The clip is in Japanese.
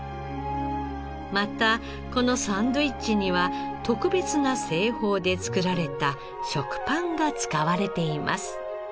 またこのサンドイッチには特別な製法で作られた食パンが使われています。